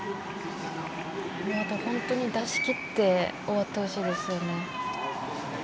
本当に出しきって終わってほしいですよね。